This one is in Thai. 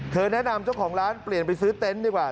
แนะนำเจ้าของร้านเปลี่ยนไปซื้อเต็นต์ดีกว่า